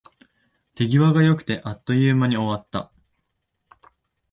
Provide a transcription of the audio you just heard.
手際が良くて、あっという間に終わった